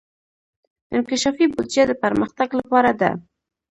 انکشافي بودجه د پرمختګ لپاره ده